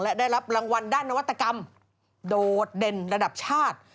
และได้รับรางวัลด้านนวัตกรรมโดดเด่นระดับชาติ